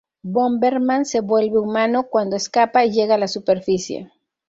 Bomberman se vuelve humano cuando escapa y llega a la superficie.